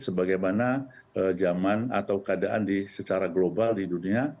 sebagaimana zaman atau keadaan secara global di dunia